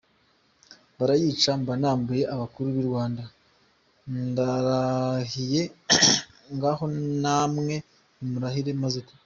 Barayica mba nambuye abakuru b’i Rwanda; ndarahiye ngaho namwe nimurahire maze dutege!".